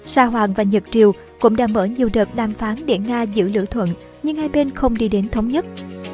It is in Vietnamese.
sa hoàng và nhật triều cũng đã mở nhiều đợt đàm phán để nga giữ lữ thuận nhưng hai bên không đi đến thống nhất